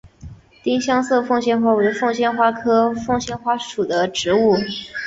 丁香色凤仙花为凤仙花科凤仙花属的植物。